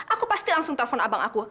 aku pasti langsung telepon abang aku